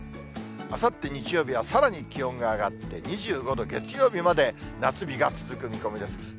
あさって日曜日はさらに気温が上がって２５度、月曜日まで夏日が続く見込みです。